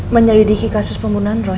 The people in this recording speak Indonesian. menyelidiki kasus pembunuhan roy